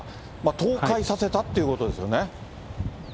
倒壊させたということですよね。